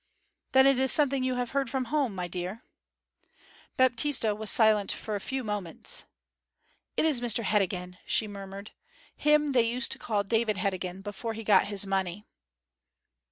'Then it is something you have heard from home, my dear.' Baptista was silent for a few moments. 'It is Mr Heddegan,' she murmured. 'Him they used to call David Heddegan before he got his money.'